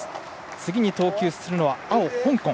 次に投球するのは青、香港。